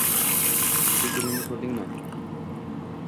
Kecha kelinni koʻrdingmi